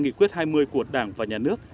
nghị quyết hai mươi của đảng và nhà nước